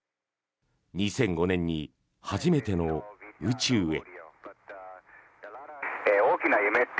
２００５年に初めての宇宙へ。